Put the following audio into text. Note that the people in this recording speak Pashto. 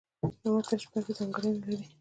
متن شپږ ځانګړني لري.